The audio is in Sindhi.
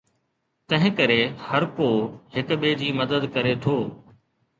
تنهنڪري هرڪو هڪ ٻئي جي مدد ڪري ٿو.